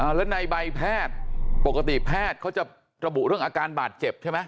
แล้วในใบแพทย์ปกติแพทย์เขาจะระบุเรื่องอาการบาดเจ็บใช่ไหม